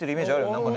何かね